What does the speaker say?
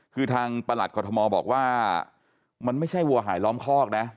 คือทางประหลัดกรทมบอกว่ามันไม่ใช่วัวหายล้อมคอกนะ